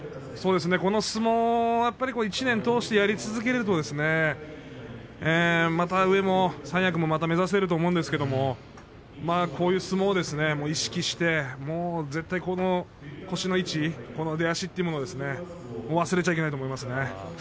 この相撲を１年通してやり続けるとまた上も三役も目指せると思うんですけれどこういう相撲を意識して絶対この腰の位置出足というものを忘れちゃいけないと思います。